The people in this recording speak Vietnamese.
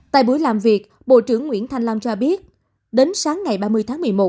tại buổi làm việc bộ trưởng nguyễn thanh long cho biết đến sáng ngày ba mươi tháng một mươi một